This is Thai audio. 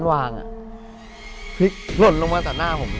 ฮลลดลงมาจากหน้าผม